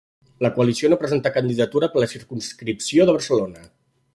La coalició no presentà candidatura per la circumscripció de Barcelona.